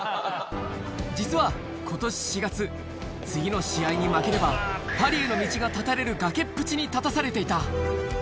実は今年４月次の試合に負ければパリへの道が絶たれる崖っぷちに立たされていた